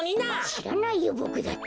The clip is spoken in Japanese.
しらないよボクだって。